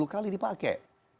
empat puluh kali dipakai